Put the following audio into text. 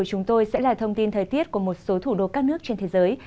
tiếp theo là thông tin thời tiết của một số thủ đô các nước trên thế giới